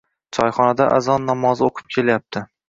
— Choyxonada azon namozi o‘qib kelyapti.